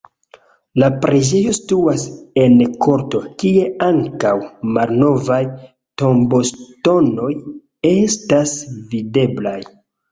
La preĝejo situas en korto, kie ankaŭ malnovaj tomboŝtonoj estas videblaj.